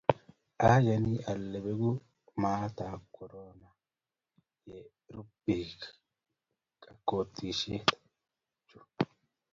ayani ale beku maatab koroitab korona ye rub biik kakwoutiechu